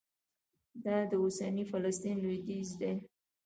دا د اوسني فلسطین لوېدیځ دی.